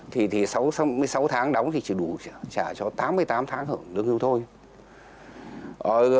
thì sáu mươi sáu tháng đóng thì chỉ đủ trả cho tám mươi tám tháng hưởng lương hưu thôi